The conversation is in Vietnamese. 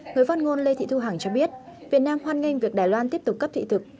người phát ngôn lê thị thu hằng cho biết việt nam hoan nghênh việc đài loan tiếp tục cấp thị thực